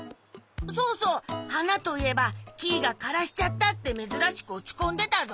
そうそうはなといえばキイが「からしちゃった」ってめずらしくおちこんでたぞ。